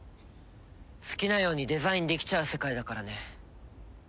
好きなようにデザインできちゃう世界だからね。